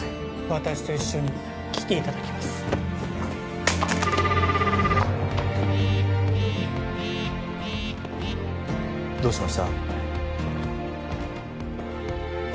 私と一緒に来ていただきますどうしました？